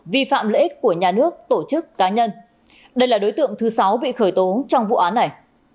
vi phạm lợi ích của nhà nước tổ chức cá nhân đây là đối tượng thứ sáu bị khởi tố trong vụ án này